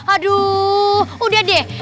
aduh udah deh